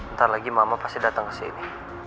ntar lagi mama pasti datang kesini